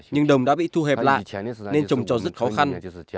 nhưng đồng đã bị thu hẹp lại nên trồng cho rất khó khăn